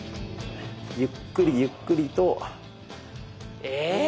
ゆっくりゆっくりと。え！